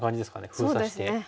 封鎖して。